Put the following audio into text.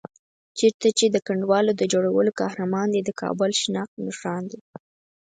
چېرته چې د کنډوالو د جوړولو قهرمان دی، د کابل شناخت نښان دی.